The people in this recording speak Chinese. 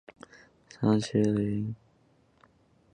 他曾就读于牛津大学圣约翰学院。